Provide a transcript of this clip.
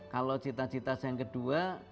kalau cita cita saya yang kedua